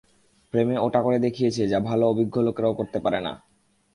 প্রেমে ওটা করে দেখিয়েছে যা ভালো অভিজ্ঞ লোকেরাও করতে পারে না।